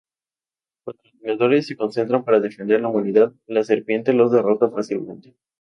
Cuando los Vengadores se concentran para defender la humanidad, la Serpiente los derrota fácilmente.